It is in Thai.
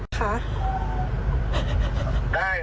ครับ